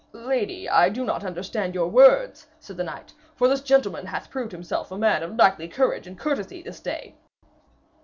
'Lady, I do not understand your words,' said the knight, 'for this gentleman hath proved himself a man of knightly courage and courtesy this day.'